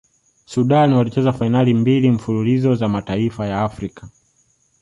sudan walicheza fainali mbili mfululizo za mataifa ya afrika